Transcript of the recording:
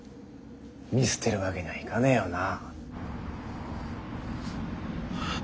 見捨てるわけにはいかねえよな？